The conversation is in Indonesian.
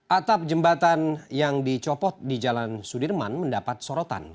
atap jembatan yang dicopot di jalan sudirman mendapat sorotan